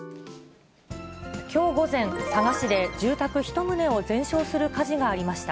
きょう午前、佐賀市で住宅１棟を全焼する火事がありました。